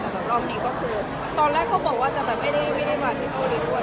ตอนแรกเขาบอกว่าไม่ได้ดีกว่าที่เกาหลีด้วย